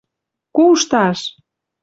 кушташ!